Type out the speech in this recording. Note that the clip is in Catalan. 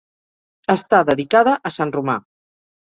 Està dedicada a Sant Romà.